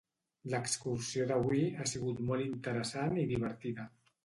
L'excursió d'avui ha sigut molt interessant i divertida.